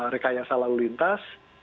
rekayasa lalu lintas